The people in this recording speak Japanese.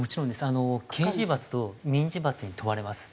あの刑事罰と民事罰に問われます。